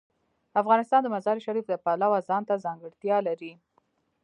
افغانستان د مزارشریف د پلوه ځانته ځانګړتیا لري.